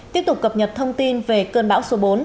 tiếp tục cập nhật thông tin về cơn bão số bốn